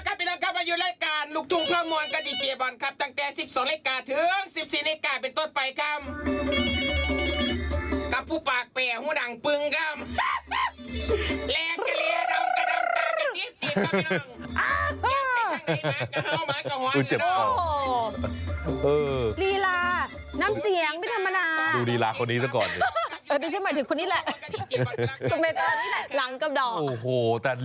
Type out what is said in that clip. กับผู้ปากแป่หัวหนังปึงคำ